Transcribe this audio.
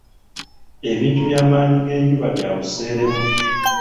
Ebintu by'amaanyi g'enjuba bya buseere mu.